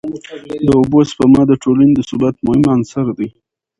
د اوبو سپما د ټولني د ثبات مهم عنصر دی.